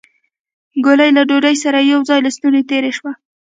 ګولۍ له ډوډۍ سره يو ځای له ستونې تېره شوه.